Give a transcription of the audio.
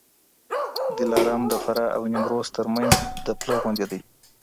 دلارام د فراه او نیمروز ترمنځ د پله غوندي دی.